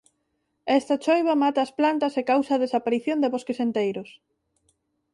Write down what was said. Esta choiva mata as plantas e causa a desaparición de bosques enteiros.